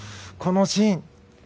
このシーン。